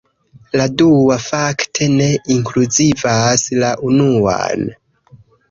La dua, fakte, ne inkluzivas la unuan.